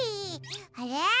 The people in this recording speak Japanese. あれ？